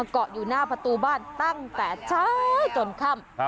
เกาะอยู่หน้าประตูบ้านตั้งแต่เช้าจนค่ำ